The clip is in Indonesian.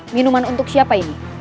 minuman untuk siapa ini